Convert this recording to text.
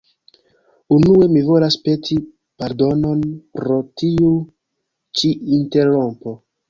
Unue mi volas peti pardonon pro tiu ĉi interrompo